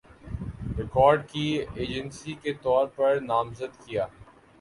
record کی agency کے طور پر نامزد کِیا